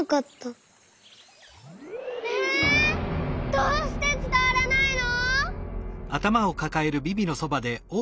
どうしてつたわらないの？